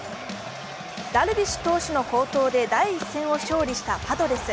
ダルビッシュ投手の好投で第１戦を勝利したパドレス。